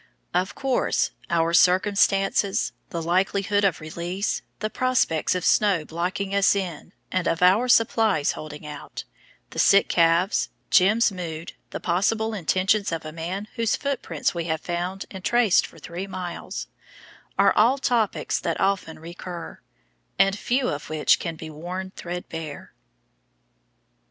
Of course our circumstances, the likelihood of release, the prospects of snow blocking us in and of our supplies holding out, the sick calves, "Jim's" mood, the possible intentions of a man whose footprints we have found and traced for three miles, are all topics that often recur, and few of which can be worn threadbare.